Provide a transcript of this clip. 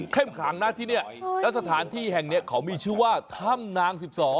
ขังนะที่นี่แล้วสถานที่แห่งนี้เขามีชื่อว่าถ้ำนาง๑๒